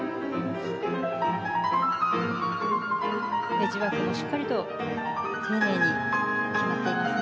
エッジワークもしっかりと丁寧に決まっていますね。